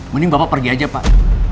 mending bapak pergi aja pak